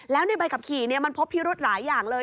แล้วในใบขับขี่มันพบพิรุธหลายอย่างเลย